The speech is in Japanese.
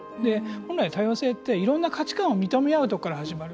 本来、多様性っていろんな価値観を認め合うとこから始まる。